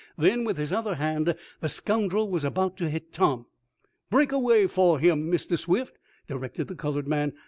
Then, with his other hand, the scoundrel was about to hit Tom. "Break away four him, Mistah Swift!" directed the colored man.